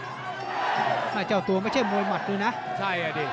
มั่นใจว่าจะได้แชมป์ไปพลาดโดนในยกที่สามครับเจอหุ้กขวาตามสัญชาตยานหล่นเลยครับ